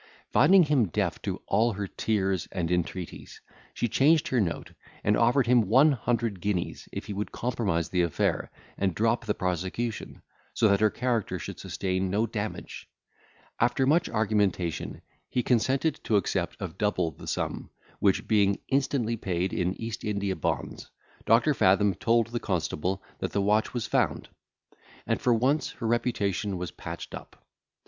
Finding him deaf to all her tears and entreaties, she changed her note, and offered him one hundred guineas, if he would compromise the affair, and drop the prosecution, so as that her character should sustain no damage. After much argumentation, he consented to accept of double the sum, which being instantly paid in East India bonds, Doctor Fathom told the constable, that the watch was found; and for once her reputation was patched up.